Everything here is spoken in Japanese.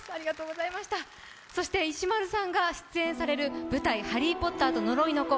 そして石丸さんが出演される舞台、「ハリー・ポッターと呪いの子」